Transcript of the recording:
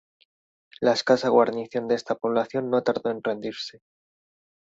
La escasa guarnición de esta población no tardó en rendirse.